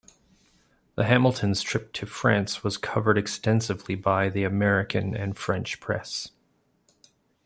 The Hamiltons' trip to France was covered extensively by the American and French press.